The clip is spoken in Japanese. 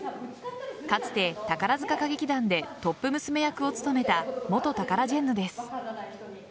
かつて宝塚歌劇団でトップ娘役を務めた元タカラジェンヌです。